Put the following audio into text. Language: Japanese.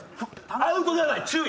アウトじゃない、注意。